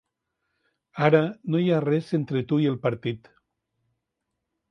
Ara, no hi ha res entre tu i el partit.